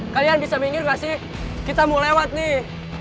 kalian bisa minggir nggak sih kita mau lewat nih